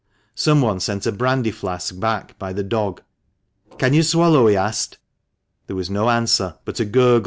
Someone sent a brandy flask back by the dog. "Can you swallow?" he asked. There was no answer, but a gurgle.